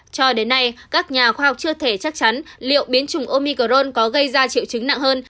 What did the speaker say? cho đến nay các nhà khoa học chưa thể chắc chắn liệu biến chủng omicron có gây ra triệu chứng nặng hơn